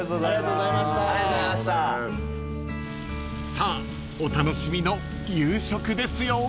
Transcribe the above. ［さあお楽しみの夕食ですよ］